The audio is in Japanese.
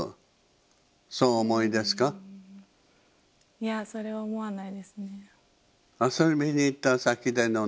いやそれは思わないですね。